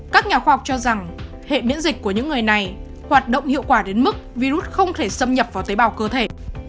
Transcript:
các nhà khoa học cho rằng hệ miễn dịch của những người này hoạt động hiệu quả đến mức virus không thể xâm nhập vào tế bào cơ thể